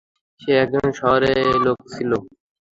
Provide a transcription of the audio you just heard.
সে একজন শহুরে লোক ছিল।